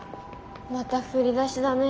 また振り出しだね。